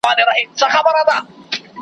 په هوا کشپ روان وو ننداره سوه .